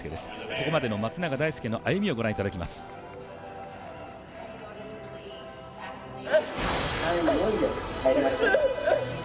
ここまでの松永大介の歩みを御覧いただきます。